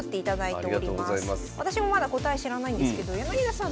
私もまだ答え知らないんですけど柳田さん